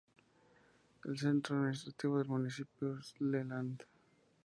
El centro administrativo del municipio es Leland.